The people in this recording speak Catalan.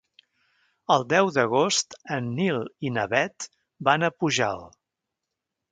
El deu d'agost en Nil i na Bet van a Pujalt.